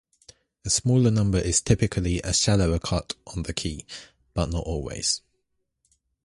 A smaller number is typically a shallower cut on the key, but not always.